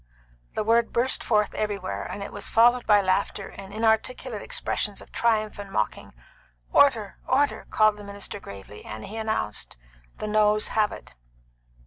The word burst forth everywhere, and it was followed by laughter and inarticulate expressions of triumph and mocking. "Order! order!" called the minister gravely, and he announced, "The noes have it."